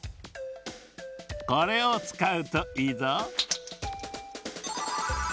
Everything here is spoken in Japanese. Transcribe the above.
これをつかうといいぞ。